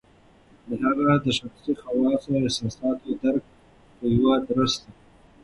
د هغه د شخصي خواصو او احساساتو درک په یوه درسته